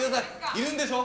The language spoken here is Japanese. いるんでしょ？